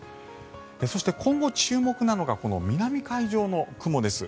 そして、今後注目なのがこの南海上の雲です。